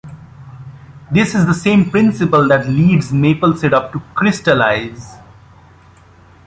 This is the same principle that leads maple syrup to crystallize.